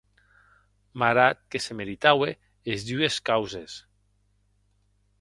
Marat que se meritaue es dues causes.